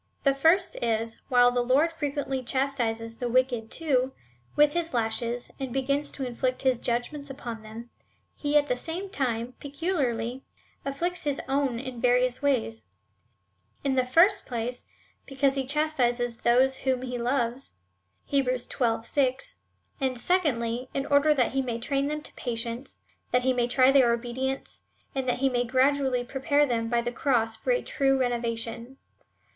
The first is, that w^hile the Lord frequently chas tises the wicked, too, with his lashes, and begins to inflict his judgments upon them, he at the same time peculiarly afflicts his own in various ways ;— in the first place, because he chastises those whom he loves, (Heb. xii. 6 ;) and secondly, in order that he may train them to patience, that he may try their obedience, and tliat he may gradually prepare them by the cross for a true renovation.